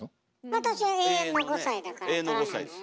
私は永遠の５さいだから取らないのよ。